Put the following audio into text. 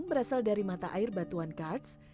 yang berasal dari mata air batuan karz